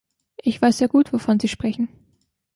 Ich weiß sehr gut, wovon Sie sprechen.